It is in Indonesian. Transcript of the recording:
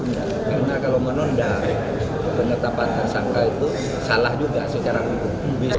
karena kalau menunda pengetapan sangka itu salah juga secara hukum